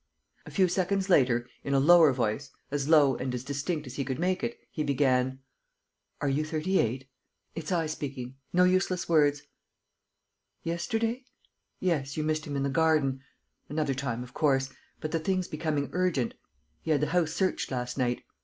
..." A few seconds later, in a lower voice, as low and as distinct as he could make it, he began: "Are you 38? ... It's I speaking; no useless words. ... Yesterday? ... Yes, you missed him in the garden. ... Another time, of course; but the thing's becoming urgent. ... He had the house searched last night.